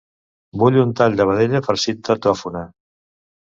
Vull un tall de vedella farcit de tòfona.